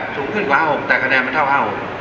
๕๘สูงขึ้นกว่า๕๖แต่คาแนนมันเท่า๕๖